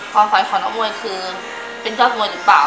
ความฝันของนักมวยคือเป็นจ้อนมวยหรือเปล่า